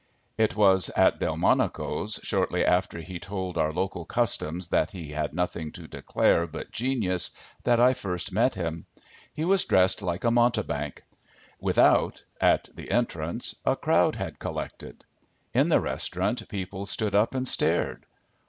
It was at Delmonico's, shortly after he told our local Customs that he had nothing to declare but genius, that I first met him. He was dressed like a mountebank. Without, at the entrance, a crowd had collected. In the restaurant people stood up and stared.